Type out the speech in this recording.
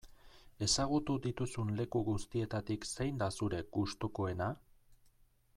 Ezagutu dituzun leku guztietatik zein da zure gustukoena?